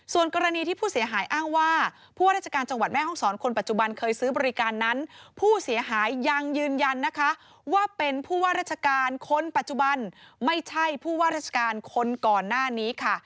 ส่วนกรณีที่ผู้เสียหายอ้างว่าผู้ว่าราชการจังหวัดแม่ห้องศรคนปัจจุบันเคยซื้อบริการนั้นผู้เสียหายยังยืนยันนะคะว่าเป็นผู้ว่าราชการคนปัจจุบันไม่ใช่ผู้ว่าราชการคนก่อนหน้านี้ค่ะ